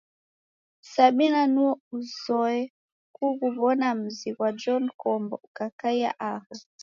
Sabina nuo uzoe kughuw'ona muzi ghwa John Kombo ukakaia aho.